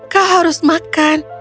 kau harus makan